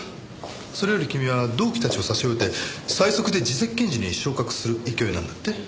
それより君は同期たちを差し置いて最速で次席検事に昇格する勢いなんだって？